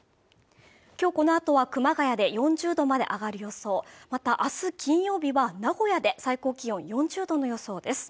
今日このあとは熊谷で４０度まで上がる予想また明日金曜日は名古屋で最高気温４０度の予想です